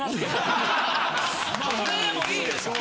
それでもいいですか？